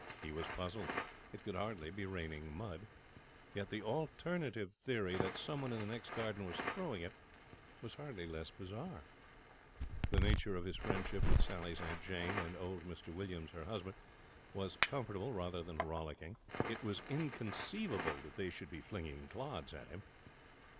He was puzzled. It could hardly be raining mud. Yet the alternative theory, that someone in the next garden was throwing it, was hardly less bizarre. The nature of his friendship with Sally's Aunt Jane and old Mr Williams, her husband, was comfortable rather than rollicking. It was inconceivable that they should be flinging clods at him.